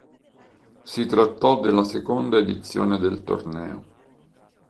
Si trattò della seconda edizione del torneo.